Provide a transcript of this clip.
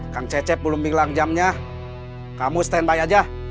kang cecep belum bilang jamnya kamu standby aja